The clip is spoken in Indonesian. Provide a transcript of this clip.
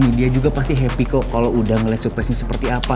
gue yakin dia juga pasti happy kok kalo udah ngeliat suplasnya seperti apa